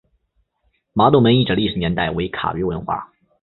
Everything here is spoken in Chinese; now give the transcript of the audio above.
麻洞门遗址的历史年代为卡约文化。